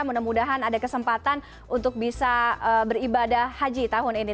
mudah mudahan ada kesempatan untuk bisa beribadah haji tahun ini